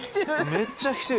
めっちゃ来てる。